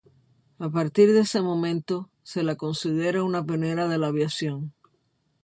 A partir de ese momento, se la considera una pionera de la aviación.